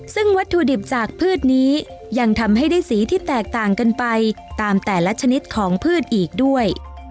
ซึ่งวัตถุดิบจากพืชนี้ยังทำให้ได้สีที่แตกต่างกันไปตามแต่ละชนิดของพืชอีกด้วย